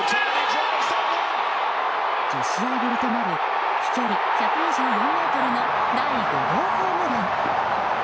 １０試合ぶりとなる飛距離１２４ｍの第５号ホームラン。